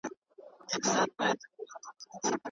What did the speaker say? تاريخي پېښې بايد د عبرت لپاره ولوستل سي.